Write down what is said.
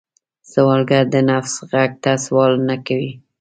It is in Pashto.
سوالګر د نفس غږ ته سوال نه کوي